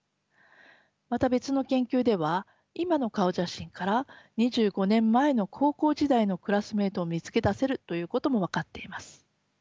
また別の研究では今の顔写真から２５年前の高校時代のクラスメートを見つけ出せるということも分かっています。